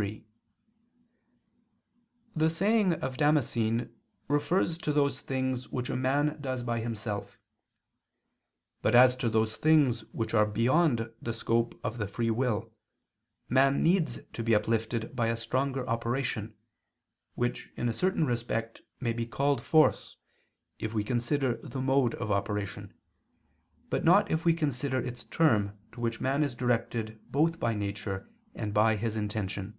3: The saying of Damascene refers to those things which a man does by himself. But as to those things which are beyond the scope of the free will, man needs to be uplifted by a stronger operation, which in a certain respect may be called force if we consider the mode of operation, but not if we consider its term to which man is directed both by nature and by his intention.